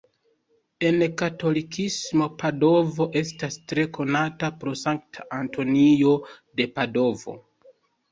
En katolikismo Padovo estas tre konata pro Sankta Antonio de Padovo.